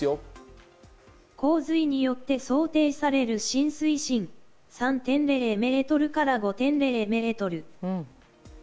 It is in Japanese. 洪水によって想定される浸水深３．０ｍから５．０ｍ。